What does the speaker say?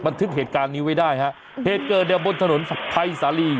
ทึกเหตุการณ์นี้ไว้ได้ฮะเหตุเกิดเนี่ยบนถนนภัยสาลี